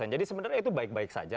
jadi sebenarnya itu baik baik saja